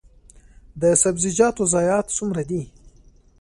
د سبزیجاتو ضایعات څومره دي؟